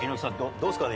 どうですかね？